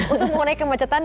untuk mengurangi kemacetan